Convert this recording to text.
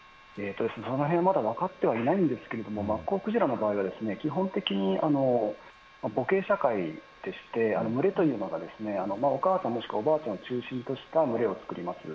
そのへんはまだ分かってはいないんですけれども、マッコウクジラの場合は基本的に、母系社会でして、群れという中で、お母さん、もしくはおばあちゃんを中心とした群れを作ります。